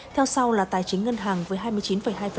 theo sau là tài chính ngân hàng với hai mươi chín hai